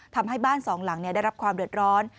ทำให้บ้านสองหลังได้รับความเดือดร้อน